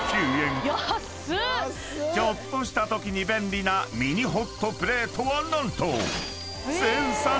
［ちょっとしたときに便利なミニホットプレートは何と］